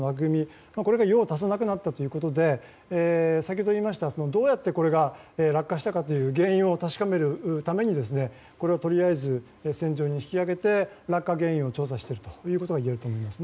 これが用を足さなくなったということで先ほども言いましたがどうやってこれが落下したかという原因を確かめるためにこれを船上に引き揚げて落下原因を調査しているということをいえると思います。